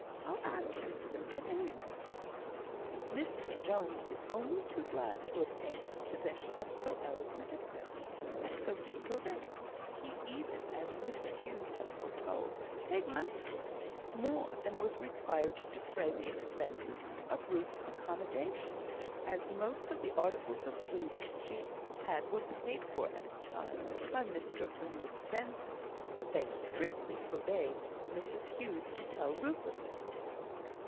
I'll ask him, sir, at any rate." Mr Jones was only too glad to obtain possession of so elegant a present at so cheap a rate. He even, as Mrs Hughes had foretold, "paid money for it;" more than was required to defray the expenses of Ruth's accommodation; as the most of the articles of food she had were paid for at the time by Mr or Miss Benson, but they strictly forbade Mrs Hughes to tell Ruth of this.